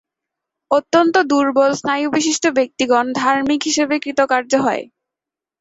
অত্যন্ত দুর্বল-স্নায়ুবিশিষ্ট ব্যক্তিগণ ধার্মিক হিসাবে কৃতকার্য হয়।